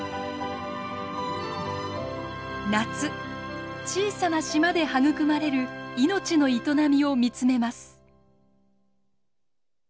夏小さな島で育まれる命の営みを見つめます。